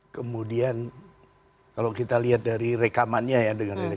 kemudian kalau kita lihat dari rekamannya ya